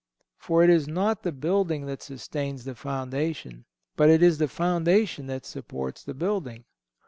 For it is not the building that sustains the foundation, but it is the foundation that supports the building.